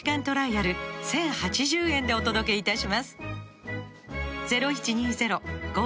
トライアル１０８０円でお届けいたします